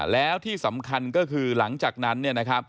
แล้วที่สำคัญก็คือหลังจากนั้น